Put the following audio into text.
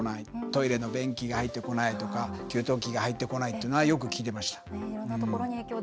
トイレの便器が入ってこないとか給湯器が入ってこないというのはよく聞いてました。